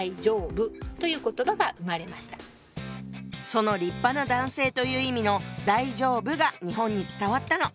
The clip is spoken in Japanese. その立派な男性という意味の「大丈夫」が日本に伝わったの。